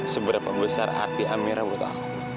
seberapa besar hati amera buat aku